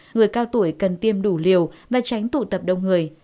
người cao tuổi cần tiêm đủ liều và tránh tụ tập đông người